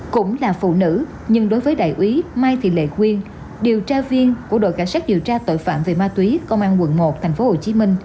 cũng là phụ nữ nhưng đối với đại úy mai thị lệ khuyên điều tra viên của đội cảnh sát điều tra tội phạm về ma túy công an quận một tp hcm